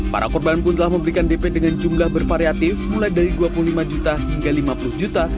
para korban pun telah memberikan dp dengan jumlah bervariatif mulai dari dua puluh lima juta hingga lima puluh juta